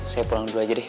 saya pulang dulu aja deh